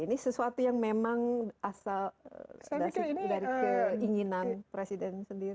ini sesuatu yang memang asal dari keinginan presiden sendiri